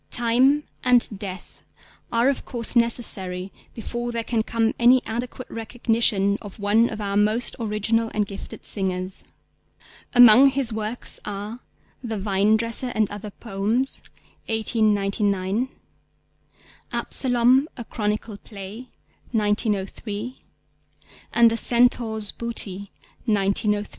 Time and Death are of course necessary before there can come any adequate recognition of one of our most original and gifted singers. Among his works are The Vinedresser and other Poems (1899), Absalom, A Chronicle Play (1903), and The Centaur's Booty (1903).